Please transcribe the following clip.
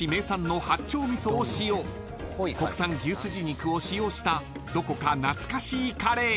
［国産牛すじ肉を使用したどこか懐かしいカレー］